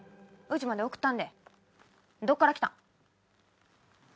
家まで送ったるでどっから来たん？